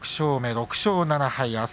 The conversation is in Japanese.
６勝７敗。